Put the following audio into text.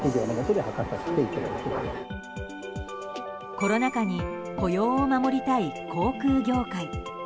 コロナ禍に雇用を守りたい航空業界。